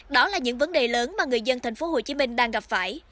đó là những vấn đề lớn mà người dân tp hcm đang gặp phải